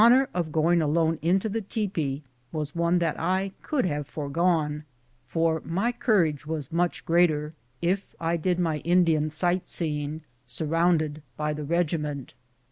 The honor of going alone into the tepee was one that I could have foregone, for my courage was nmch greater if I did my Indian sight seeing surrounded by the regi ment.